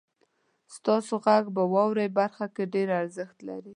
ستاسو غږ په واورئ برخه کې ډیر ارزښت لري.